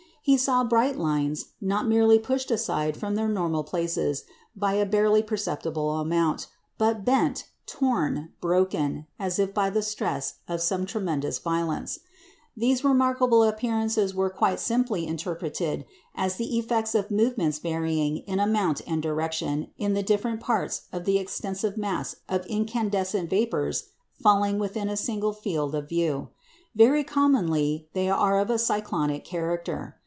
He saw bright lines, not merely pushed aside from their normal places by a barely perceptible amount, but bent, torn, broken, as if by the stress of some tremendous violence. These remarkable appearances were quite simply interpreted as the effects of movements varying in amount and direction in the different parts of the extensive mass of incandescent vapours falling within a single field of view. Very commonly they are of a cyclonic character.